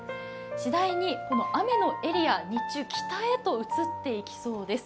次第に雨のエリア、日中、北へと移っていきそうです。